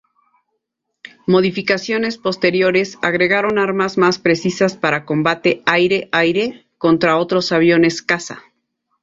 Modificaciones posteriores agregaron armas más precisas para combate "Aire-aire", contra otros aviones caza.